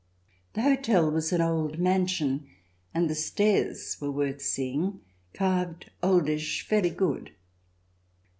The hotel was an old mansion, and the stairs were worth seeing — carved, oldish, fairly good.